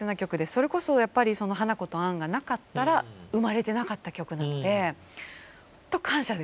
それこそやっぱりその「花子とアン」がなかったら生まれてなかった曲なのでほんと感謝ですね。